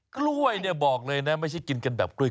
กล้วยเนี่ยบอกเลยนะไม่ใช่กินกันแบบกล้วย